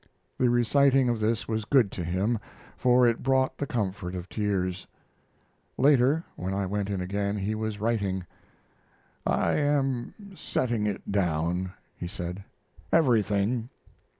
The reciting of this was good to him, for it brought the comfort of tears. Later, when I went in again, he was writing: "I am setting it down," he said "everything.